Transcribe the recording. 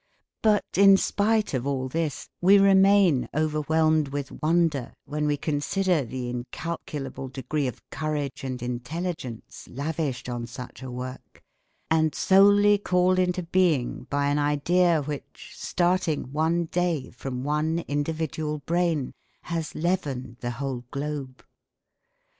But, in spite of all this, we remain overwhelmed with wonder when we consider the incalculable degree of courage and intelligence lavished on such a work, and solely called into being by an idea which, starting one day from one individual brain, has leavened the whole globe.